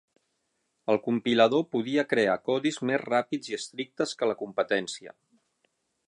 El compilador podia crear codis més ràpids i estrictes que la competència.